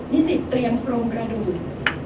นิสิตเตรียมโครงกระดูก